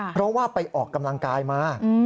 เพราะว่าไปออกกำลังกายมา